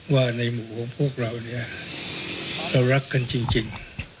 ว่าในหมู่ของพวกเราเนี่ยเรารักกันจริง